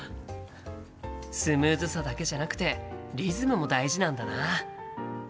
スムーズさだけじゃなくてリズムも大事なんだな。